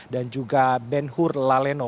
dan juga benhur laleno